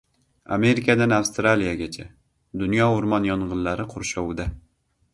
Amerikadan Avstraliyagacha: dunyo o‘rmon yong‘inlari qurshovida